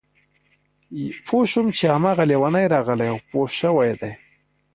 پوه شوم چې هماغه لېونی راغلی او پوه شوی دی